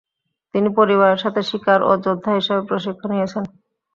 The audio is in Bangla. তিনি পরিবারের সাথে শিকার ও যোদ্ধা হিসেবে প্রশিক্ষণ নিয়েছেন।